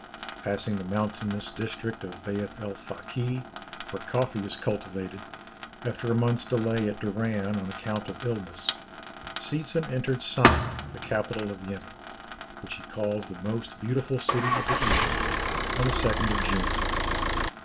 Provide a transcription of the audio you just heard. Passing the mountainous district of Beith el Fakih, where coffee is cultivated, after a month's delay at Doran on account of illness, Seetzen entered Sana, the capital of Yemen, which he calls the most beautiful city of the East, on the 2nd of June.